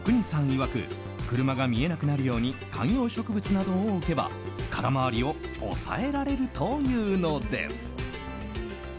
いわく車が見えなくなるように観葉植物などを置けば空回りを抑えられるというのです。